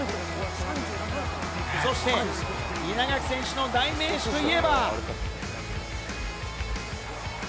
そして稲垣選手の代名詞といえば。